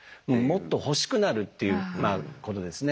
もっと欲しくなるっていうことですね。